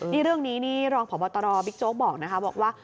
ในเรื่องนี้รองผ่อบอตรบิ๊กโจ๊กบอกว่า